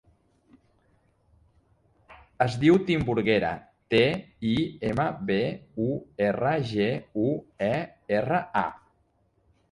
Es diu Timburguera: te, i, ema, be, u, erra, ge, u, e, erra, a.